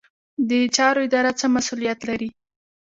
د چارو اداره څه مسوولیت لري؟